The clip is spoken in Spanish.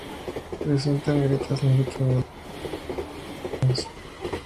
Presentan grietas longitudinales y reticulares finas.